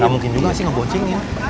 gak mungkin juga sih ngeboncengin